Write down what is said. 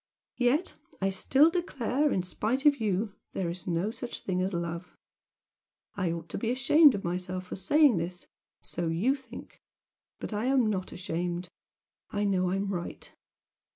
Yet I still declare, in spite of you, there is no such thing as love! I ought to be ashamed of myself for saying this so YOU think! but I'm not ashamed. I know I'm right!